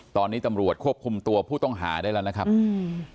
ตอนนี้ตำรวจควบคุมตัวผู้ต้องหาได้แล้วนะครับอืม